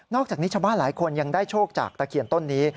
อกจากนี้ชาวบ้านหลายคนยังได้โชคจากตะเคียนต้นนี้